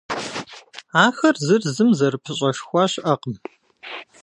Ахэр зыр зым зэрыпыщӏэшхуа щыӏэкъым.